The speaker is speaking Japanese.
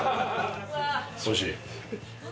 おいしい？